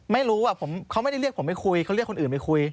ไม่รู้เขาไม่ได้เรียกผมไปคุยเขาเรียกคนอื่นไปคุย